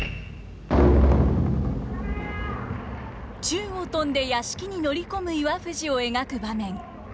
宙を飛んで屋敷に乗り込む岩藤を描く場面。